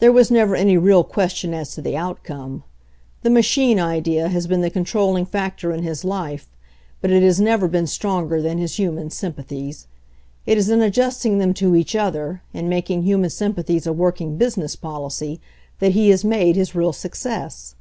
There was never any real question as to the outcome. The machine idea has been the con t ! trolling factor in his life, but it has never been t j stronger than his human sympathies. It is in |: adjusting them to each other, in making human sympathies a working business policy, that he has made his real success.